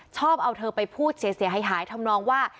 ชอบเอาเธอไปพูดเสียหายทำนองว่า